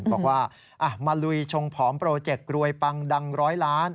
บอกว่ามาลุยชงผอมโปรเจกต์รวยปังดังร้อยล้าน